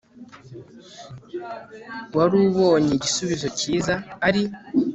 warubonye igisubizo cyiza ari